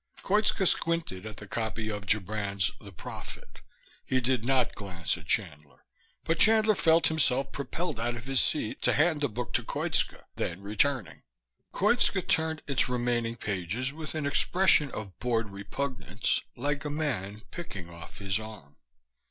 Koitska squinted at the copy of Gibran's The Prophet. He did not glance at Chandler, but Chandler felt himself propelled out of his seat, to hand the book to Koitska, then returning. Koitska turned its remaining pages with an expression of bored repugnance, like a man picking off his arm.